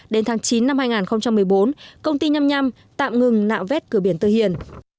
đến tháng chín năm hai nghìn một mươi bốn công ty năm mươi năm tạm ngừng nạo vét cửa biển tư hiền